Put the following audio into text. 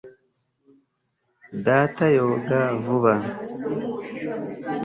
data yoga vuba